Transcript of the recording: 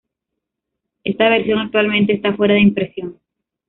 Esta versión actualmente está fuera de impresión.